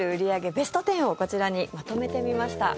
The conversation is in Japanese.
ベスト１０をこちらにまとめてみました。